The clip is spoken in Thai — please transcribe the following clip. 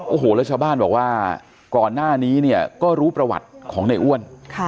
โอ้โหแล้วชาวบ้านบอกว่าก่อนหน้านี้เนี่ยก็รู้ประวัติของในอ้วน